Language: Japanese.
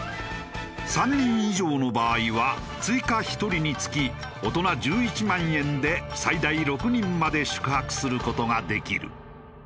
３人以上の場合は追加１人につき大人１１万円で最大６人まで宿泊する事ができる。